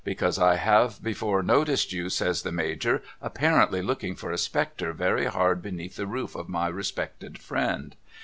' Because I have before noticed you ' says the Major ' apparently looking for a spectre very hard beneath the roof of my respected friend.